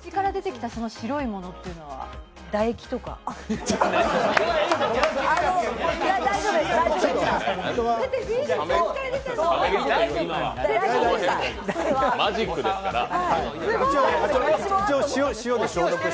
口から出てきたその白いものというのは唾液とか大丈夫でした。